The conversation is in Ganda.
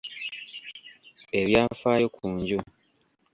Ebyafaayo ku nju.